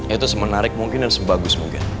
itu semenarik mungkin dan sebagus mungkin